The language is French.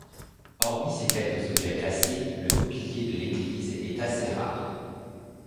Hormis ces quelques objets classés, le mobilier de l'église est assez rare.